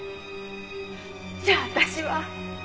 じゃあ私は？